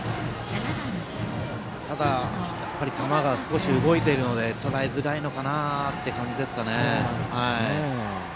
ただ、やっぱり球が少し動いているのでとらえづらいのかなという感じですね。